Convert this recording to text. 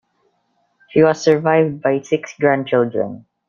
He was survived by six grandchildren.